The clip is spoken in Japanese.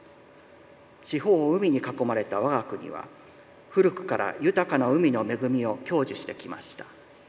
四方を海に囲まれた我が国は古くから豊かな海の恵みを享受してきました。